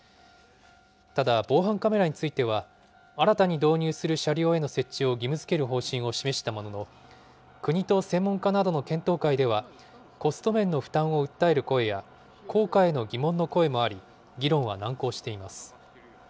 ただ、防犯カメラについては、新たに導入する車両への設置を義務づける方針を示したものの、国と専門家などの検討会では、コスト面の負担を訴える声や、効果への疑問の声もあり、議論は難航しています。